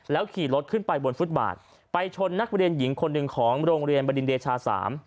แล้วขี่รถขึ้นไปบนฟุตบาร์ดไปชนนักเรียนหญิงคนหนึ่งของโรงเรียนบริษัท๓